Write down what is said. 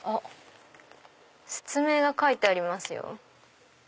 説明が書いてありますよ。